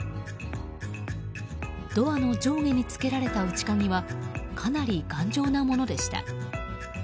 ドアの上下に取り付けられた内鍵はかなり頑丈なものでした。